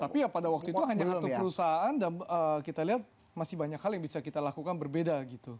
tapi ya pada waktu itu hanya satu perusahaan dan kita lihat masih banyak hal yang bisa kita lakukan berbeda gitu